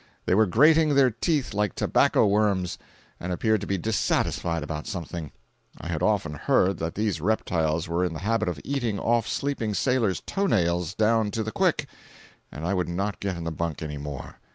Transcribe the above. They were grating their teeth like tobacco worms, and appeared to be dissatisfied about something. I had often heard that these reptiles were in the habit of eating off sleeping sailors' toe nails down to the quick, and I would not get in the bunk any more.